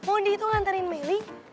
mondi itu nganterin meli